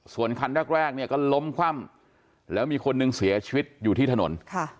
ส่วนคันแรกเนี่ยก็ล้มคว่ำแล้วมีคนหนึ่งเสียชีวิตอยู่ที่ถนน